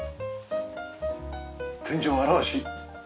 天井現し。